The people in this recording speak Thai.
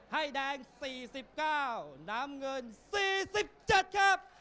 ให้แดงสี่สิบเก้าน้ำเงินสี่สิบเจ็ดครับ